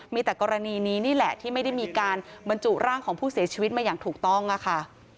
มีแต่กรณีนี้นี่แหละที่ไม่ได้มีการบรรจุร่างของผู้เสียชีวิตมาอย่างถูกต้องค่ะ